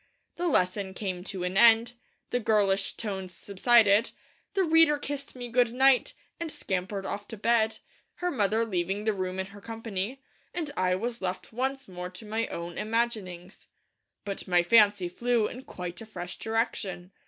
The lesson came to an end; the girlish tones subsided; the reader kissed me good night, and scampered off to bed, her mother leaving the room in her company; and I was left once more to my own imaginings. But my fancy flew in quite a fresh direction.